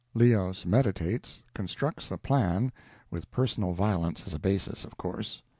Leos meditates, constructs a plan with personal violence as a basis, of course.